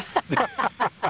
ハハハハ。